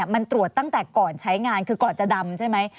มันตรวจตั้งแต่ก่อนใช้งานคือก่อนจะดำใช่ไหม